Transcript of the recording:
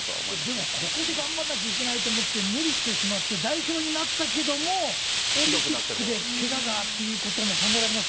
でも、ここで頑張んなきゃいけないと思って、無理して代表になったけども、オリンピックでけががっていうことも考えられます